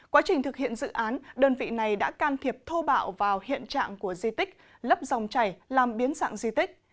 quá trình thực hiện dự án đơn vị này đã can thiệp thô bạo vào hiện trạng của di tích lấp dòng chảy làm biến dạng di tích